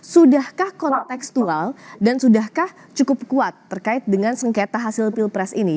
sudahkah konteksual dan sudahkah cukup kuat terkait dengan sengketa hasil pilpres ini